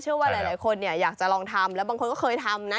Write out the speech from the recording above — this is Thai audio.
ว่าหลายคนเนี่ยอยากจะลองทำแล้วบางคนก็เคยทำนะ